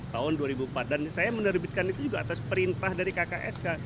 tahun dua ribu empat dan saya menerbitkan itu juga atas perintah dari kksk